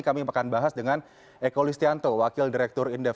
kami akan bahas dengan eko listianto wakil direktur indef